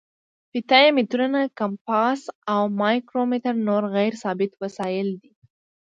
فیته یي مترونه، کمپاس او مایکرو میټر نور غیر ثابت وسایل دي.